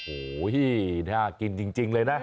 โอ้โหน่ากินจริงเลยนะ